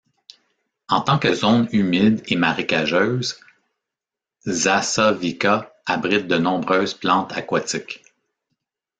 En tant que zone humide et marécageuse, Zasavica abrite de nombreuses plantes aquatiques.